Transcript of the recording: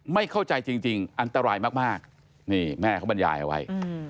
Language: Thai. ไม่เข้าใจจริงอันตรายมากนี่แม่เขาบรรยายเอาไว้